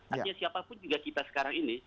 artinya siapapun juga kita sekarang ini